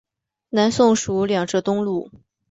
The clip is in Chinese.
南宋属两浙东路。